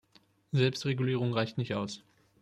Selbstregulierung reicht nicht aus.